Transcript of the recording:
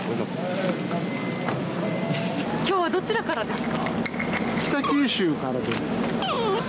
きょうはどちらからですか。